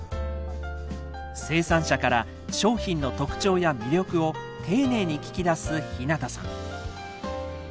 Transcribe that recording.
生産者から商品の特徴や魅力を丁寧に聞き出す日向さん。